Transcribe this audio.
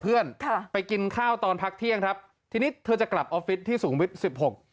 เพื่อนค่ะไปกินข้าวตอนพักเที่ยงครับทีนี้เธอจะกลับออฟฟิศที่สูงวิทย์สิบหก